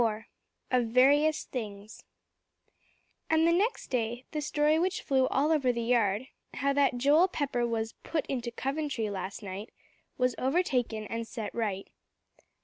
IV OF VARIOUS THINGS And the next day, the story which flew all over the yard, how that Joel Pepper was "put into Coventry" last night, was overtaken and set right.